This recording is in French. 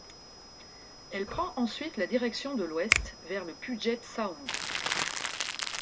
Elle prend ensuite la direction de l’ouest vers le Puget Sound.